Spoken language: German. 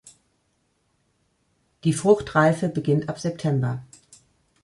Die Fruchtreife beginnt ab September.